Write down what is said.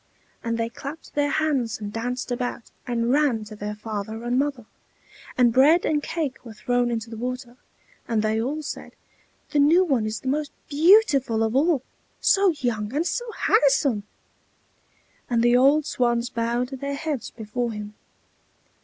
And they clapped their hands and danced about, and ran to their father and mother; and bread and cake were thrown into the water; and they all said, "The new one is the most beautiful of all! so young and so handsome!" and the old swans bowed their heads before him.